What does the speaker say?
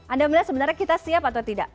anda melihat sebenarnya kita siap atau tidak